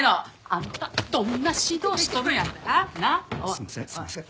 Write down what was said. すいませんすいません。